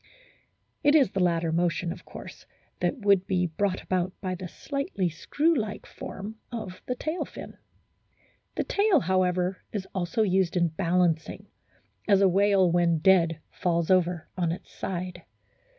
It is the latter motion, of course, that would be brought about by the slightly screw like form of the tail fin. The tail, however, is also used in balancing, as a whale when dead falls over on its side.